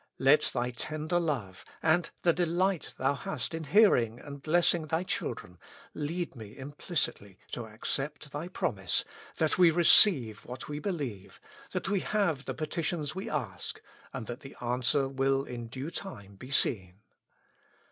Let Thy tender love, and the delight Thou hast in hearing and blessing Thy children, lead me implicitly to accept Thy promise, that we receive what we believe, that we have the petitions we ask, and that the answer will in due time be seen.